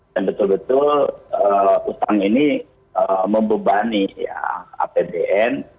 dan betul betul utang ini membebani ya apbn